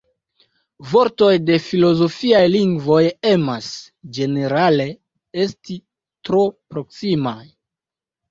Vortoj de filozofiaj lingvoj emas, ĝenerale, esti tro proksimaj.